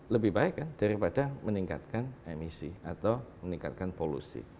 lebih baik kan daripada meningkatkan emisi atau meningkatkan polusi